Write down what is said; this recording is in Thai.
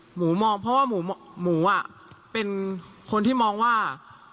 หมูมองเพราะว่าหมูอ่ะเป็นคนที่มองว่า